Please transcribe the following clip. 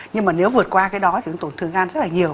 nhưng mà nếu vượt qua cái đó thì nó tổn thương gan rất là nhiều